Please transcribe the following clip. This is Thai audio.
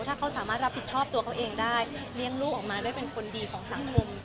ถ้าเขาสามารถรับผิดชอบตัวเขาเองได้เลี้ยงลูกออกมาได้เป็นคนดีของสังคม